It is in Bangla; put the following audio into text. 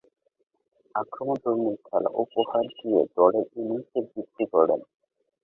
আক্রমণধর্মী খেলা উপহার দিয়ে দলের ইনিংসের ভিত্তি গড়েন।